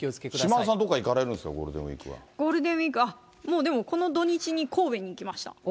島田さん、どこか行かれるんですか、ゴールデンウィーク、もうでも、この土日に神戸に行きました。